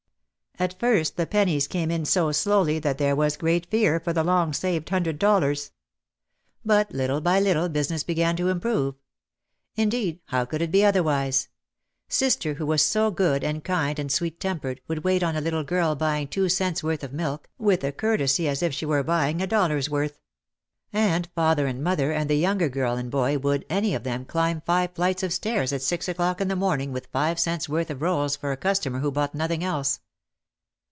At first the pennies came in so slowly that there was great fear for the long saved hundred dollars. But little by little business began to improve. Indeed, how could it be otherwise? Sister, who was so good and kind and sweet tempered, would wait on a little girl buying two cents' worth of milk with a courtesy as if she were buy ing a dollar's worth. And father and mother and the younger girl and boy would, any of them, climb five flights of stairs at six o'clock in the morning with five cents' worth of rolls for a customer who bought nothing else.